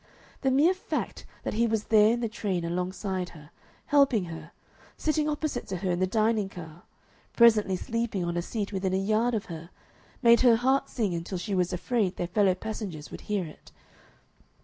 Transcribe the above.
The mere fact that he was there in the train alongside her, helping her, sitting opposite to her in the dining car, presently sleeping on a seat within a yard of her, made her heart sing until she was afraid their fellow passengers would hear it.